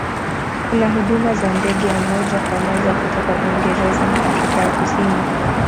Kuna huduma za ndege ya moja kwa moja kutoka Uingereza na Afrika ya Kusini.